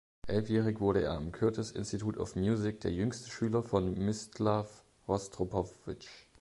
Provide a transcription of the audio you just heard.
Elfjährig wurde er am "Curtis Institute of Music" der jüngste Schüler von Mstislaw Rostropowitsch.